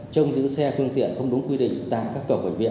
trông giữ xe phương tiện không đúng quy định tại các tổ bệnh viện